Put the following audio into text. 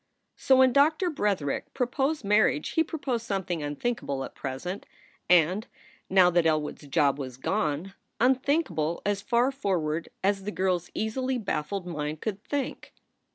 So when Doctor Bretherick proposed marriage he proposed something unthinkable at present, and, now that Elwood s job was gone, unthinkable as far forward as the girl s easily baffled mind could think.